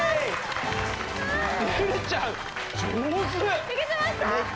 いけてました？